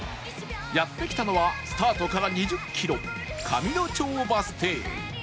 やって来たのはスタートから２０キロ上の町バス停